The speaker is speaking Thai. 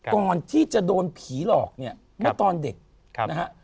ก่อนที่จะโดนผีหลอกเนี่ยเมื่อตอนเด็กนะฮะ